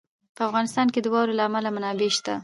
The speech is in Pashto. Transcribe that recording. په افغانستان کې د واورو له امله منابع شته.